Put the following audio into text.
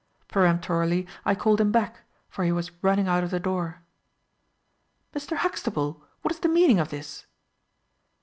Peremptorily I called him back, for he was running out of the door. "Mr. Huxtable, what is the meaning of this?"